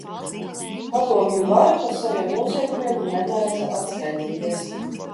Padomju vara par saviem noziegumiem nemēdza atskaitīties.